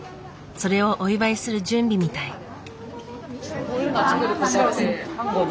それをお祝いする準備みたい。